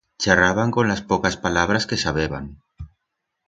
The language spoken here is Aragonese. Charraban con las pocas palabras que sabeban.